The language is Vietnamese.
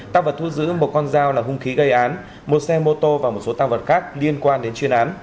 tăng vật thu giữ một con dao là hung khí gây án một xe mô tô và một số tăng vật khác liên quan đến chuyên án